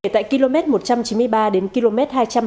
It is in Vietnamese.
tại km một trăm chín mươi ba đến km hai trăm hai mươi hai